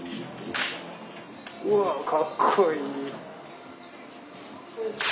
うわぁかっこいい。